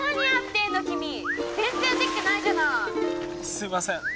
すいません。